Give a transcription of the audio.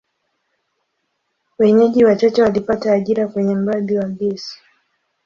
Wenyeji wachache walipata ajira kwenye mradi wa gesi.